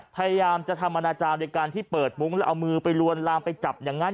พยายามจะทำอนาจารย์โดยการที่เปิดมุ้งแล้วเอามือไปลวนลามไปจับอย่างนั้น